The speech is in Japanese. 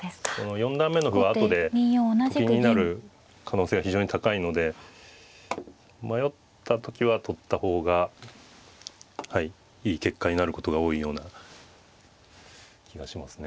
四段目の歩は後でと金になる可能性が非常に高いので迷った時は取った方がいい結果になることが多いような気がしますね。